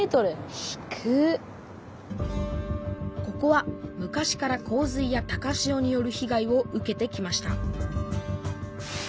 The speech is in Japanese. ここは昔から洪水や高潮によるひ害を受けてきました。